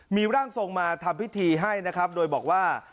มีร่างทรงมาทำพิธีให้นะครับโดยบอกว่า